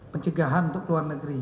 pencegahan untuk luar negeri